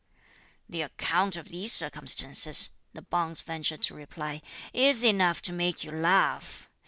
"The account of these circumstances," the bonze ventured to reply, "is enough to make you laugh!